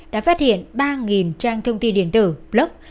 đã phát hiện ba trang thông tin điện tử blog